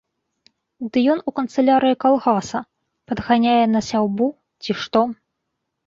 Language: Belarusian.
Ды ён у канцылярыі калгаса, падганяе на сяўбу, ці што.